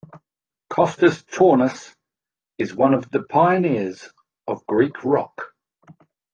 Kostas Tournas is one of the pioneers of Greek rock.